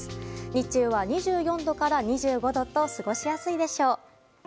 日中は２４度から２５度と過ごしやすいでしょう。